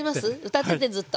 歌っててずっと。